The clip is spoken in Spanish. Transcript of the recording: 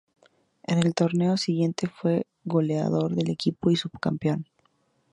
En el torneo siguiente, fue goleador del equipo y subcampeón.